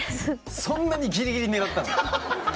そんなにギリギリ狙ったの？